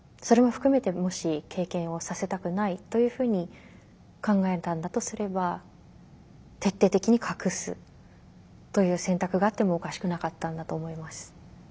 それも含めてもし経験をさせたくないというふうに考えたんだとすれば徹底的に隠すという選択があってもおかしくなかったんだと思います。